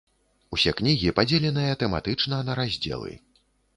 Усе кнігі падзеленыя тэматычна на раздзелы.